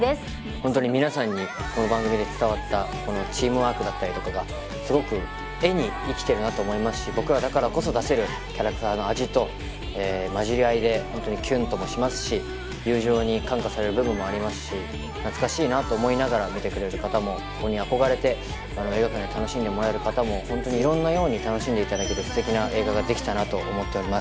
ホントに皆さんにこの番組で伝わったこのチームワークだったりとかがすごく画に生きてるなと思いますし僕らだからこそ出せるキャラクターの味とまじり合いでホントにキュンともしますし友情に感化される部分もありますし懐かしいなと思いながら見てくれる方もここに憧れて映画館で楽しんでもらえる方もホントに色んなように楽しんでいただけるステキな映画ができたなと思っております